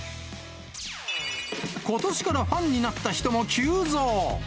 ことしからファンになった人も急増。